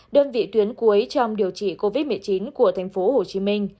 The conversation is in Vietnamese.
đơn vị tuyến cuối trong điều trị covid một mươi chín của tp hcm